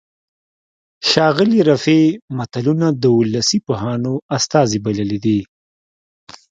ښاغلي رفیع متلونه د ولسي پوهانو استازي بللي دي